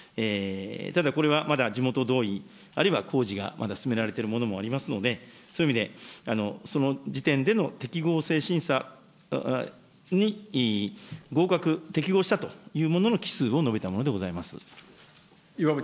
ただこれはとにかく地元同意、あるいは工事がまだ進められているものもありますので、そういう意味で、その時点での適合性審査に合格、適合したというものの基数を述べたものでございます。